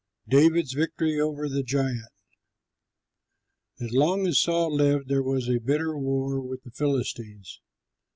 DAVID'S VICTORY OVER THE GIANT As long as Saul lived there was bitter war with the Philistines.